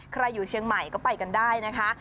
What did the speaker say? อยู่เชียงใหม่ก็ไปกันได้นะคะ